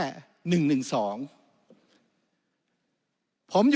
วุฒิสภาจะเขียนไว้ในข้อที่๓๐